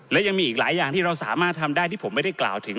และยังมีอีกหลายอย่างที่เราสามารถทำได้ที่ผมไม่ได้กล่าวถึง